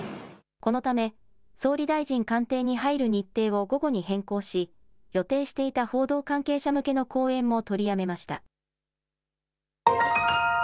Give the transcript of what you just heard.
このため総理大臣官邸に入る日程を午後に変更し予定していた報道関係者向けの講演も取りやめました。